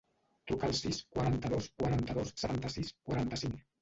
Truca al sis, quaranta-dos, quaranta-dos, setanta-sis, quaranta-cinc.